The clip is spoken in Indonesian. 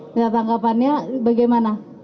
nah tanggapannya bagaimana